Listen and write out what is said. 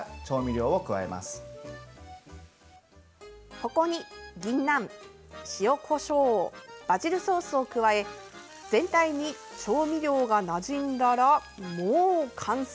ここにぎんなん、塩、こしょうバジルソースを加え全体に調味料がなじんだらもう完成。